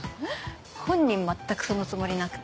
本人全くそのつもりなくて。